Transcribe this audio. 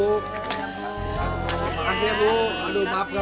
makasih bu aduh maaf gak berdiri nih kekenyangan